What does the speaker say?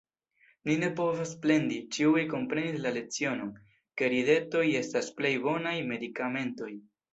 Ni ne povas plendi, ĉiuj komprenis la lecionon, ke ridetoj estas plej bonaj medikamentoj.